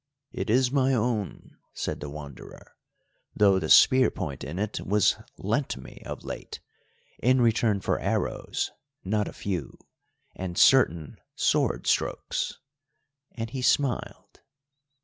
"It is my own," said the Wanderer, "though the spear point in it was lent me of late, in return for arrows not a few and certain sword strokes," and he smiled.